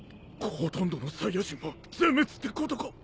ほとんどのサイヤ人は全滅ってことか。